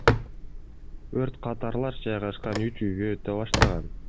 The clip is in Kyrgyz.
Өрт катарлаш жайгашкан үч үйгө өтө баштаган.